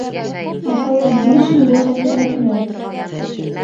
Апайым, килеш һин был хәҡиҡәт менән!